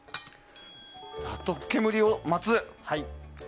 あと煙を待つ。